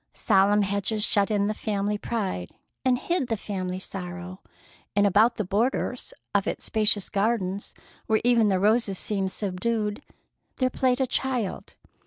Solemn hedges shut in the family pride and hid the family sorrow, and about the borders of its spacious gardens, where even the roses seemed subdued, there played a child.